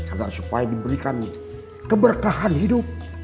agar supaya diberikan keberkahan hidup